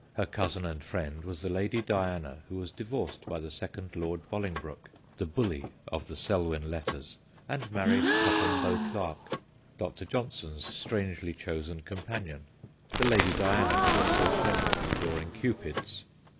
Her cousin and friend was the Lady Diana who was divorced by the second Lord Boling broke, the ' Bully ' of the Selwyn letters, and married Topham Beauclerk, Dr. John son's strangely chosen companion the Lady Diana who was so clever at drawing Cupids.